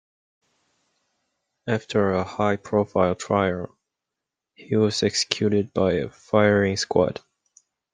After a high-profile trial, he was executed by a firing squad.